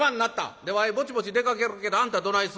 「でわいぼちぼち出かけるけどあんたどないすんねん？」。